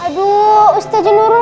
aduh ustadznya nurun